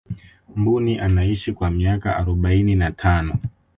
mbuni anaishi kwa miaka arobaini na tano